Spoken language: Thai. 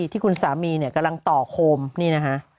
ที่คุณสามีเนี่ยกำลังต่อโคมนี่นะคะ